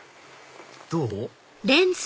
どう？